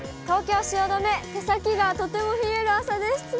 東京・汐留、手先がとても冷える朝です。